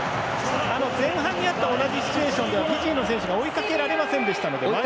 前半にあった同じシチュエーションではフィジーの選手が追いかけられませんでしたので。